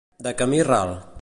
De camí ral.